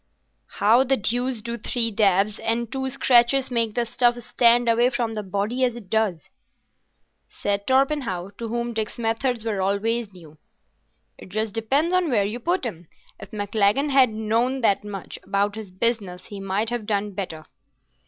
"How the deuce do three dabs and two scratches make the stuff stand away from the body as it does?" said Torpenhow, to whom Dick's methods were always new. "It just depends on where you put 'em. If Maclagan had known that much about his business he might have done better."